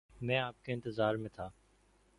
میں آپ کے انتظار میں تھا